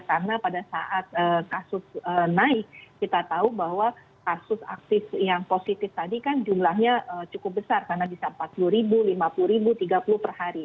karena pada saat kasus naik kita tahu bahwa kasus aktif yang positif tadi kan jumlahnya cukup besar karena bisa empat puluh ribu lima puluh ribu tiga puluh per hari